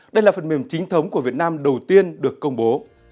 đây là phần mềm chính thống của việt nam đầu tiên được công bố